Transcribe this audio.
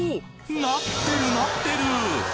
なってるなってる！